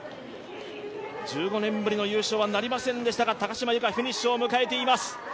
１５年ぶりの優勝はなりませんでしたが、高島由香、フィニッシュを迎えています。